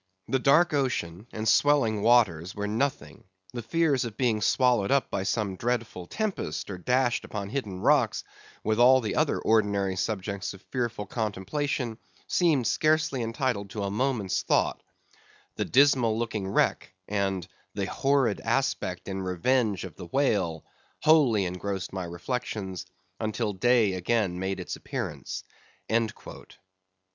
"The dark ocean and swelling waters were nothing; the fears of being swallowed up by some dreadful tempest, or dashed upon hidden rocks, with all the other ordinary subjects of fearful contemplation, seemed scarcely entitled to a moment's thought; the dismal looking wreck, and the horrid aspect and revenge of the whale, wholly engrossed my reflections, until day again made its appearance."